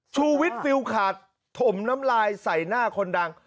ชูวิทย์ฟิลขาดถมน้ำลายใส่หน้าคนดัง